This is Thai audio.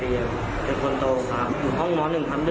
เป็นคนโตครับอยู่ห้องมอน๑ครั้ง๑ครับ